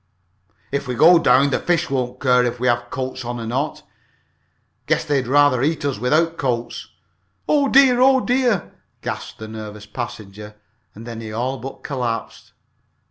"If we go down the fish won't care if we have coats on or not guess they'd rather eat us without coats." "Oh dear! Oh dear!" gasped the nervous passenger, and then he all but collapsed.